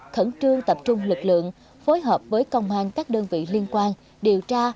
khẩn trương tập trung lực lượng phối hợp với công an các đơn vị liên quan điều tra